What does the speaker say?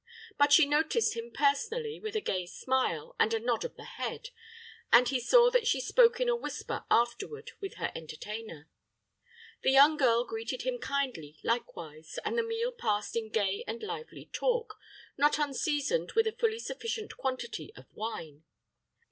But she noticed him personally with a gay smile and a nod of the head, and he saw that she spoke in a whisper afterward with her entertainer. The young girl greeted him kindly, likewise, and the meal passed in gay and lively talk, not unseasoned with a fully sufficient quantity of wine.